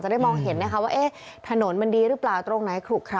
จะได้มองเห็นว่าถนนมันดีหรือเปล่าตรงไหนขลุกขละ